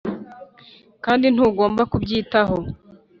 kandi ntugomba kubyitaho.